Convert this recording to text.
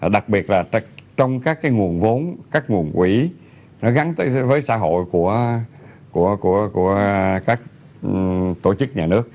đặc biệt là trong các nguồn vốn các nguồn quỹ gắn với xã hội của các tổ chức nhà nước